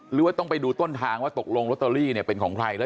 หรือว่าต้องไปดูต้นทางว่าตกลงลอตเตอรี่เนี่ยเป็นของใครแล้ว